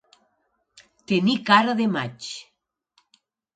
Tenir cara de maig.